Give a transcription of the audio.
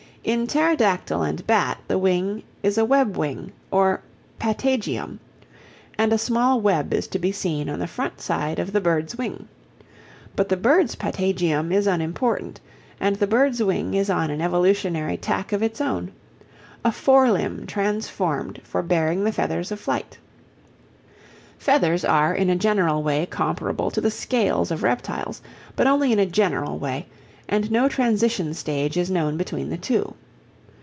In Pterodactyl and bat the wing is a web wing or patagium, and a small web is to be seen on the front side of the bird's wing. But the bird's patagium is unimportant, and the bird's wing is on an evolutionary tack of its own a fore limb transformed for bearing the feathers of flight. Feathers are in a general way comparable to the scales of reptiles, but only in a general way, and no transition stage is known between the two.